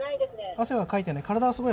汗はかいてない？